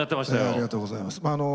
ありがとうございます。